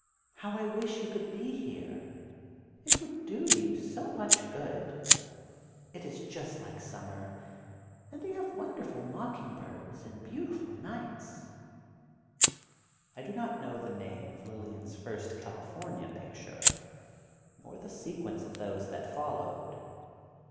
How I wish you could be here; it would do you so much good. It is just like summer, and they have wonderful mocking birds and beautiful nights." I do not know the name of Lillian's first California picture, nor the sequence of those that followed.